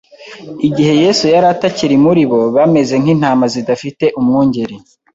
Igihe Yesu yari atakiri muri bo bameze nk'intama zidafite umwungeri